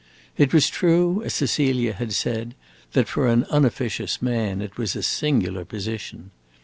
It was true, as Cecilia had said, that for an unofficious man it was a singular position.